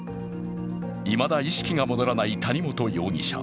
いまだ意識が戻らない谷本容疑者。